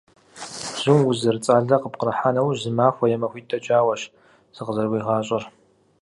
Бзум уз зэрыцӏалэ къыпкърыхьа нэужь, зы махуэ е махуитӏ дэкӏауэщ зыкъызэрыуигъащӏэр.